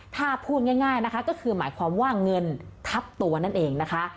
ถ้าพูดง่ายนะคะก็คือหมายความว่าเงินทับตัวนั่นเองนะคะ